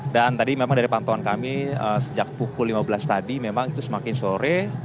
dan tadi memang dari pantauan kami sejak pukul lima belas tadi memang itu semakin sore